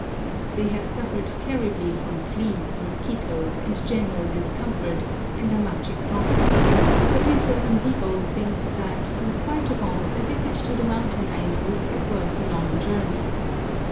They have suffered terribly from fleas, mosquitoes, and general discomfort, and are much exhausted; but Mr. Von S. thinks that, in spite of all, a visit to the mountain Ainos is worth a long journey.